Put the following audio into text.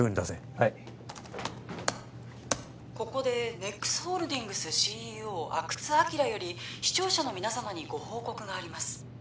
はいここでＮＥＸホールディングスＣＥＯ阿久津晃より視聴者の皆様にご報告があります